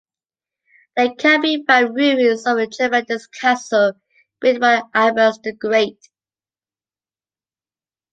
There can be found ruins of a tremendous castle, built by Abbas the Great.